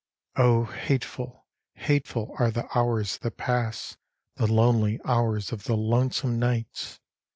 Oh, hateful, hateful are the hours that pass, The lonely hours of the lonesome nights!